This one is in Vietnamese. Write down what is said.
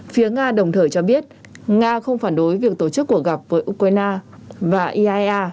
phía nga đồng thời cho biết nga không phản đối việc tổ chức cuộc gặp với ukraine và iaea